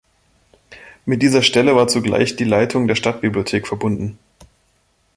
Mit dieser Stelle war zugleich die Leitung der Stadtbibliothek verbunden.